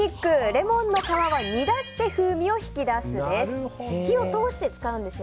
レモンの皮は煮出して風味を引き出すです。